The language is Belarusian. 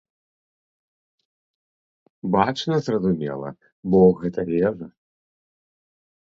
Бачна, зразумела, бо гэта вежа!